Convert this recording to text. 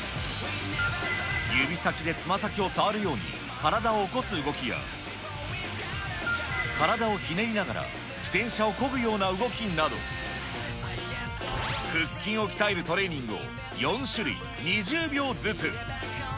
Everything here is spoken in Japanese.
指先でつま先を触るように体を起こす動きや、体をひねりながら自転車をこぐような動きなど、腹筋を鍛えるトレーニングを４種類２０秒ずつ。